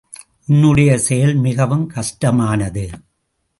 உன்னுடைய செயல் மிகவும் கஷ்டமானது.